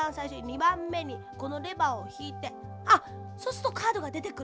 ２ばんめにこのレバーをひいてあっそうするとカードがでてくる。